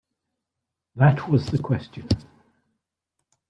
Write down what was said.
That was the question.